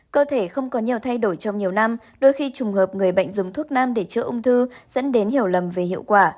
cơ thể không có nhiều thay đổi trong nhiều năm đôi khi trùng hợp người bệnh dùng thuốc nam để chữa ung thư dẫn đến hiểu lầm về hiệu quả